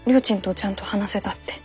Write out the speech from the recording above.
ちゃんと話せたって。